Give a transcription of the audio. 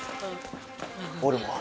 俺も。